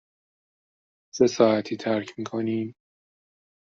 چه ساعتی ترک می کنیم؟